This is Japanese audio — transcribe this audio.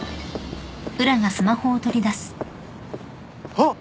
あっ！